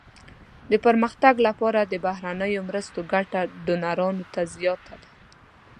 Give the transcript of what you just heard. د پرمختګ لپاره د بهرنیو مرستو ګټه ډونرانو ته زیاته ده.